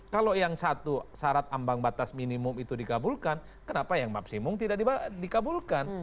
kalau yang satu syarat ambang batas minimum itu dikabulkan kenapa yang maksimum tidak dikabulkan